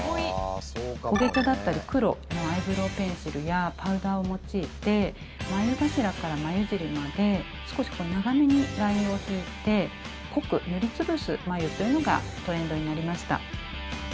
焦げ茶だったり、黒のアイブローペンシルやパウダーを用いて眉頭から眉尻まで少し長めにラインを引いて濃く塗り潰す眉というのがトレンドになりました。